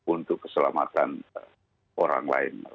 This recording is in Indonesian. untuk keselamatan orang lain